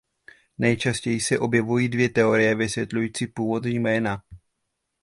Nejčastěji se objevují dvě teorie vysvětlující původ jména.